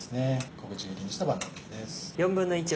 小口切りにした万能ねぎです。